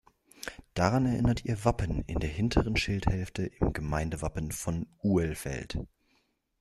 Daran erinnert ihr Wappen in der hinteren Schildhälfte im Gemeindewappen von Uehlfeld.